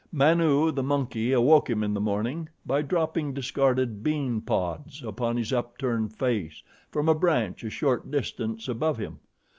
Manu, the monkey, awoke him in the morning by dropping discarded bean pods upon his upturned face from a branch a short distance above him.